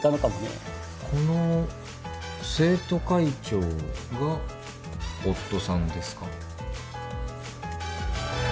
この「生徒会長」が夫さんですか？